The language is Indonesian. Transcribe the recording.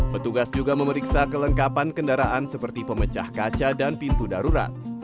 petugas juga memeriksa kelengkapan kendaraan seperti pemecah kaca dan pintu darurat